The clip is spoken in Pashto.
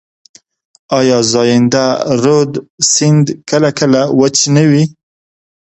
آیا زاینده رود سیند کله کله وچ نه وي؟